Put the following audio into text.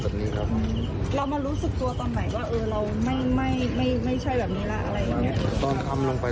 แบบนี้ครับเรามารู้สึกตัวตอนไหนว่าเออเราไม่ไม่ไม่